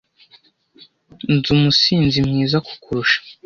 nzi umusinzi mwiza kukurusha